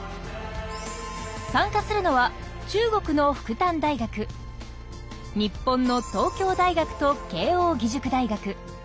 参加するのは中国の復旦大学日本の東京大学と慶應義塾大学。